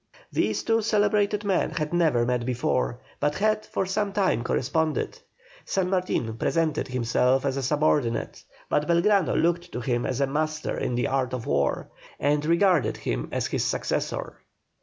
These two celebrated men had never met before, but had for some time corresponded. San Martin presented himself as a subordinate, but Belgrano looked to him as a master in the art of war, and regarded him as his successor.